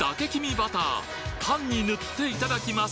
バターパンに塗っていただきます